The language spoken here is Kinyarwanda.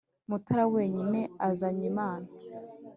mutara wenyine azanyimana